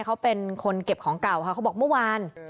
เขาเป็นคนเก็บของเก่าค่ะเขาบอกเมื่อวาน